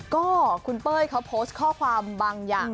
ก็คุณเป้ยเขาโพสต์ข้อความบางอย่าง